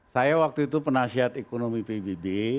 saya waktu itu penasihat ekonomi pbb